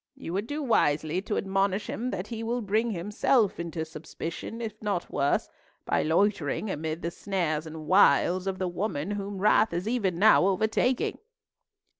You would do wisely to admonish him that he will bring himself into suspicion, if not worse, by loitering amid the snares and wiles of the woman whom wrath is even now overtaking."